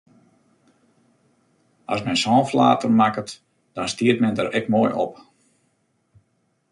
As men sa'n flater makket, dan stiet men der ek moai op!